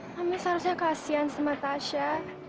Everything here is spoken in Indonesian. kami seharusnya kasian sama tasya